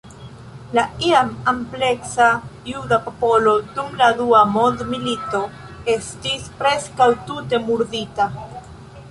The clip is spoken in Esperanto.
La iam ampleksa juda popolo dum la Dua Mondmilito estis preskaŭ tute murdita.